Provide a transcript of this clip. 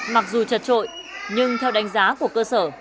mặc dù chật trội nhưng theo đánh giá của cơ sở